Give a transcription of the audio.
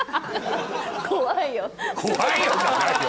「怖いよ」じゃないよ